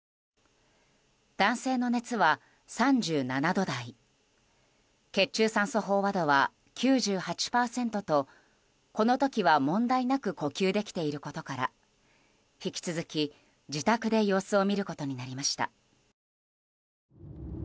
男性の熱は３７度台血中酸素飽和度は９８％とこの時は問題なく呼吸できていることから引き続き、自宅で様子を見ることになりました。